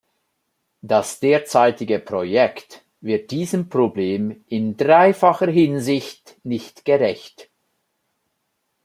Das derzeitige Projekt wird diesem Problem in dreifacher Hinsicht nicht gerecht.